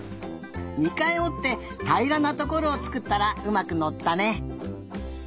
２かいおってたいらなところをつくったらうまくのったね。